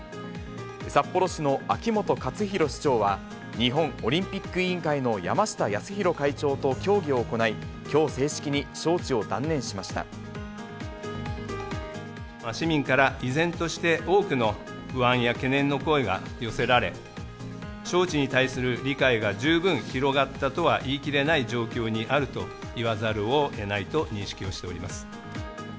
札幌市の秋元克広市長は、日本オリンピック委員会の山下泰裕会長と協議を行い、きょう正式市民から依然として、多くの不安や懸念の声が寄せられ、招致に対する理解が十分広がったとは言い切れない状況にあると言